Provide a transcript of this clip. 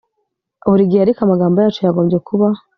Buri gihe ariko amagambo yacu yagombye kuba